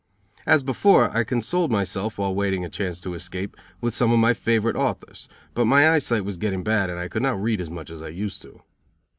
As before, I consoled myself, while waiting a chance to escape, with some of my favorite authors; but my eye sight was getting bad and I could not read as much as I used to.